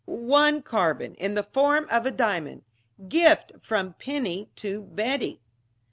"One carbon in the form of a diamond gift from Penny to Betty."